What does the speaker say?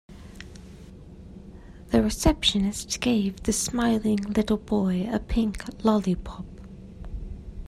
The receptionist gave the smiling little boy a pink lollipop.